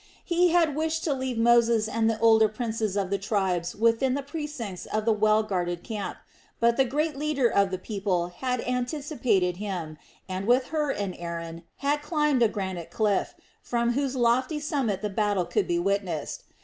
He had wished to leave Moses and the older princes of the tribes within the precincts of the well guarded camp, but the great leader of the people had anticipated him and, with Hur and Aaron, had climbed a granite cliff from whose lofty summit the battle could be witnessed.